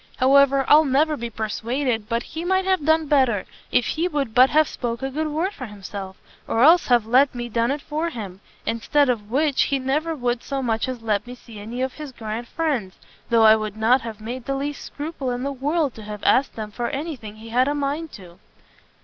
however, I'll never be persuaded but he might have done better, if he would but have spoke a good word for himself, or else have let me done it for him; instead of which, he never would so much as let me see any of his grand friends, though I would not have made the least scruple in the world to have asked them for any thing he had a mind to."